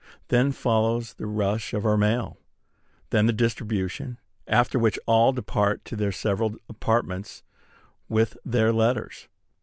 Then follows the rush for our mail; then the distribution: after which all depart to their several apartments with their letters.